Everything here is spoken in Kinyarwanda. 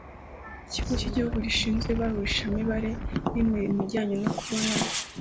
Ikigo cy igihugu gishinzwe ibarurishamibare n imirimo ijyanye no kubona